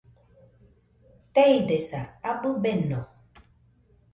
Teidesa, abɨ beno